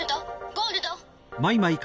ゴールド！。